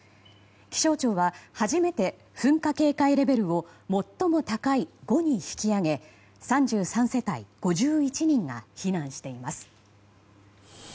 気象庁は初めて噴火警戒レベルを最も高い５に引き上げ３３世帯５１人が避難しています。